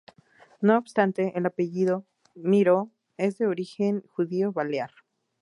No obstante, el apellido Miró es de origen judío balear.